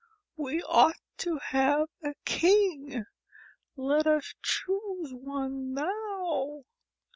We ought to have a king. Let us choose one now."